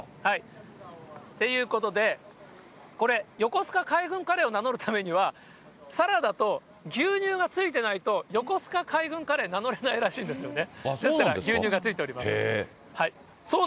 っていうことで、これ、横須賀海軍カレーを名乗るためには、サラダと牛乳がついてないと、横須賀海軍カレーを名乗れないらしいんですよね。